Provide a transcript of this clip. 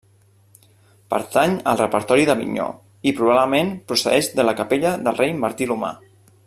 Pertany al repertori d'Avinyó i probablement procedeix de la capella del rei Martí l'Humà.